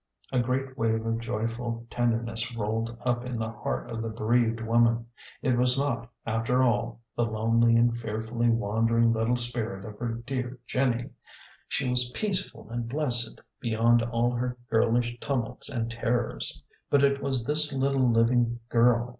A great wave of joyful tenderness rolled up in the heart of the bereaved woman. It was not, after all, the lonely and fearfully wandering little spirit of her dear Jenny ; she was peaceful and blessed, beyond all her girlish tumults and terrors ; but it was this little living girl.